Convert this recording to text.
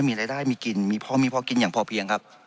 มีรายได้มีกินมีพอมีพอกินอย่างพอเพียงครับ